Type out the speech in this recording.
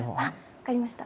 分かりました。